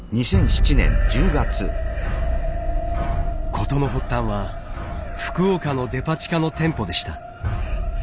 事の発端は福岡のデパ地下の店舗でした。